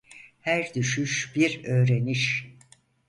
Her düşüş bir öğreniş.